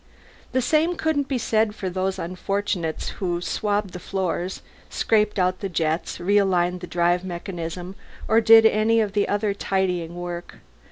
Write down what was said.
The same couldn't be said for the unfortunates who swabbed the floors, scraped out the jets, realigned the drive mechanism, or did any other tidying work.